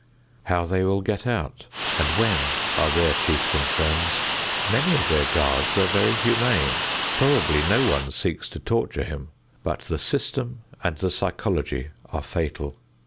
How they will get out, and when, are their chief concerns. Many of their guards are very humane. Probably no one seeks to torture him, but the system and the psychology are fatal.